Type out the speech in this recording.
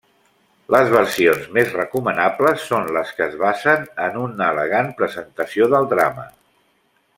Les versions més recomanables són les que es basen en una elegant presentació del drama.